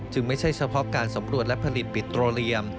ไม่ใช่เฉพาะการสำรวจและผลิตปิโตเรียม